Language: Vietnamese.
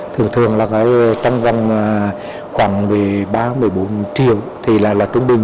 thường thường là trong gần khoảng một mươi ba một mươi bốn triệu thì là tương bình